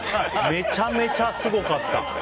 めちゃめちゃすごかった。